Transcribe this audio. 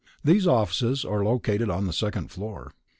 Its offices are located on the second floor.